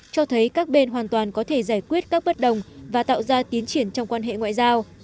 cho thấy các bên hoàn toàn có thể giải quyết các bất đồng và tạo ra tiến triển trong quan hệ ngoại giao